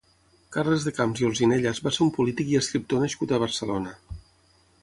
Carles de Camps i d'Olzinellas va ser un polític i escriptor nascut a Barcelona.